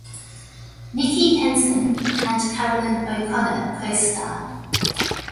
Nicky Henson and Caroline O'Connor costarred.